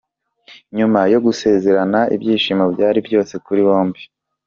Nyuma yo gusezerana ibyishimo byari byose kuri bombi.